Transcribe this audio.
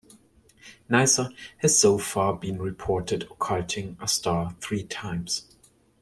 Nysa has so far been reported occulting a star three times.